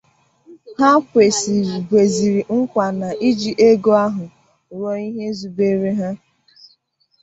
Ha kwezịrị nkwà na iji ego ahụ rụọ ihe e zùbèèrè ya